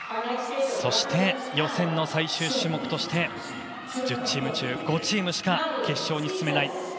そして、予選の最終種目として１０チーム中５チームしか決勝に進めない。